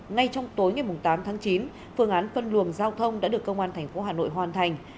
ngay trong tối ngày mùng tám tháng chín phương án phân luồng giao thông đã được công an thành phố hà nội hoàn thành